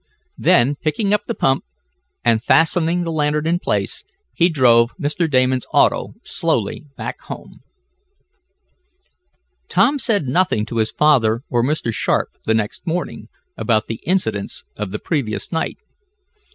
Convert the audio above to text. Then, picking up the pump, and fastening the lantern in place, he drove Mr. Damon's auto slowly back home. Tom said nothing to his father or Mr. Sharp, the next morning, about the incidents of the previous night.